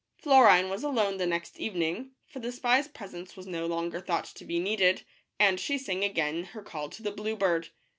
Florine was alone the next evening, for the spy's presence was no longer thought to be needful, and she sang again her call to the blue bird.